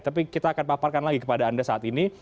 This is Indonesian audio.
tapi kita akan paparkan lagi kepada anda saat ini